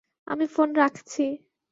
আমি ফোন রাখছি।